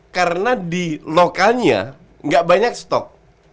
karena di lokalnya gak banyak stok